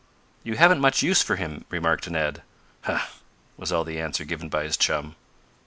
"You haven't much use for him," remarked Ned. "Huh!" was all the answer given by his chum.